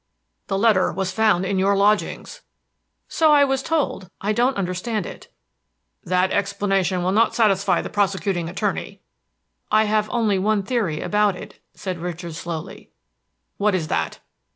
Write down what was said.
"The letter was found in your lodgings." "So I was told. I don't understand it." "That explanation will not satisfy the prosecuting attorney." "I have only one theory about it," said Richard slowly. "What is that?"